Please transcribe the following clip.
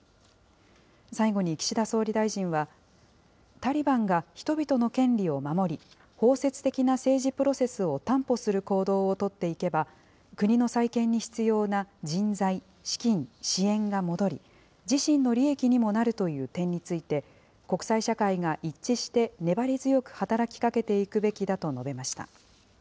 最後に岸田総理大臣は、タリバンが人々の権利を守り、包摂的な政治プロセスを担保する行動を取っていけば、国の再建に必要な人材、資金、支援が戻り、自身の利益にもなるという点について、国際社会が一致して粘り強く働きかけていくべきだと述べました。